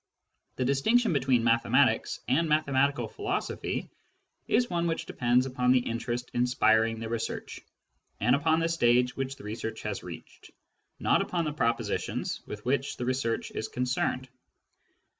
The distinction between mathematics and mathematical philosophy is one which depends upon the interest inspiring the research, and upon the stage which the research has reached ; not upon the propositions with which the research is concerned.